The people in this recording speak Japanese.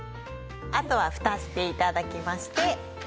あとはふたして頂きまして。